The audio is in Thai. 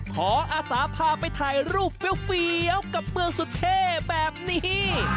อาสาพาไปถ่ายรูปเฟี้ยวกับเมืองสุเท่แบบนี้